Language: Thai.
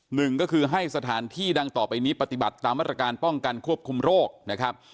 หนึ่งก็คือให้สถานที่ดังต่อไปนี้ปฏิบัติตามมาตรการป้องกันควบคุมโรคนะครับ